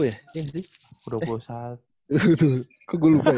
kok gue lupa ya